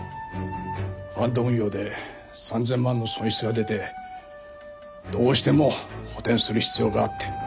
ファンド運用で３０００万の損失が出てどうしても補填する必要があって。